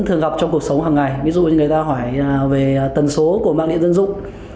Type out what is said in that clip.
thường gặp trong cuộc sống hàng ngày ví dụ như người ta hỏi về tần số của mạng địa dân dụng